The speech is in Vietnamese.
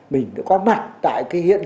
mình đã có mặt tại cái hiện đại